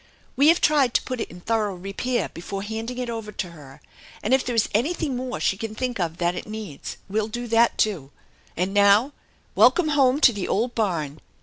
We have tried to put it in thorough repair before handing it over to her, and if there is anything more she can think of that it needs we'll do that ,',oo. And now, welcome home to the old barn!